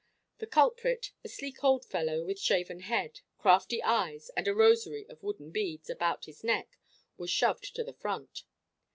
The culprit, a sleek old fellow with shaven head, crafty eyes, and a rosary of wooden beads about his neck, was shoved to the front.